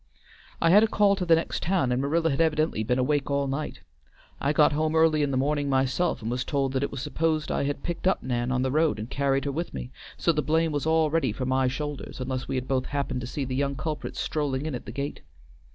I had a call to the next town and Marilla had evidently been awake all night. I got home early in the morning myself, and was told that it was supposed I had picked up Nan on the road and carried her with me, so the blame was all ready for my shoulders unless we had both happened to see the young culprit strolling in at the gate.